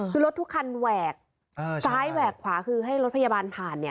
คือรถทุกคันแหวกซ้ายแหวกขวาคือให้รถพยาบาลผ่าน